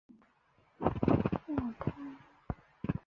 默拉克。